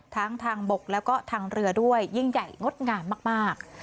ทางบกแล้วก็ทางเรือด้วยยิ่งใหญ่งดงามมาก